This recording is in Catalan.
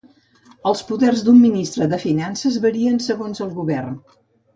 Els poders d'un ministre de finances varien segons el govern.